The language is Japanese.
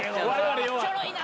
ちょろいな。